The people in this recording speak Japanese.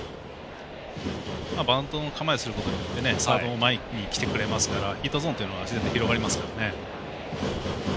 バントの構えをすることによってサードも前に来てくれますからヒットゾーンというのは広がりますからね。